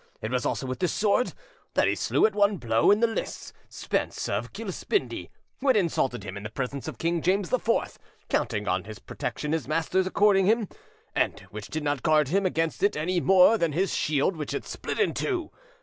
It was also with this sword that he slew at one blow, in the lists, Spens of Kilspindie, who had insulted him in the presence of King James IV, counting on the protection his master accorded him, and which did not guard him against it any more than his shield, which it split in two.